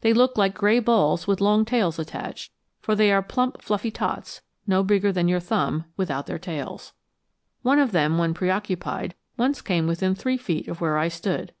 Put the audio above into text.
They look like gray balls with long tails attached, for they are plump fluffy tots, no bigger than your thumb, without their tails. One of them, when preoccupied, once came within three feet of where I stood.